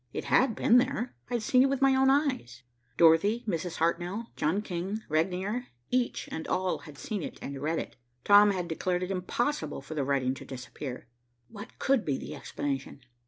It had been there. I had seen it with my own eyes. Dorothy, Mrs. Hartnell, John King, Regnier, each and all had seen it and read it. Tom had declared it impossible for the writing to disappear. What could be the explanation?